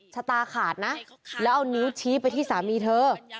ชะตาขาดนะแล้วเอานิ้วชี้ไปที่สามีเธอ